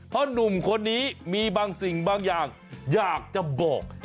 เพราะหนุ่มคนนี้มีบางสิ่งบางอย่างอยากจะบอก